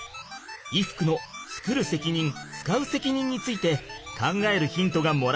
衣服の「つくる責任つかう責任」について考えるヒントがもらえるぞ。